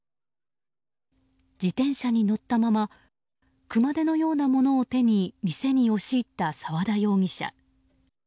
自転車に乗ったまま熊手のようなものを手に店に押し入った沢田容疑者。